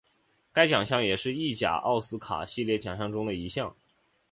该奖项也是意甲奥斯卡系列奖项中的一项。